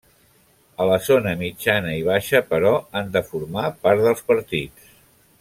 A la zona mitjana i baixa, però, han de formar part dels partits.